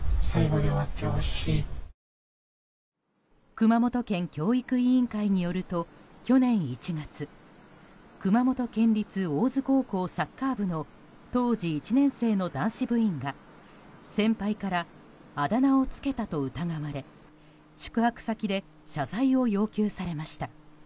熊本県教育委員会によると去年１月熊本県立大津高校サッカー部の当時１年生の男子部員が先輩からあだ名をつけたと疑われ宿泊先で謝罪を要求されました。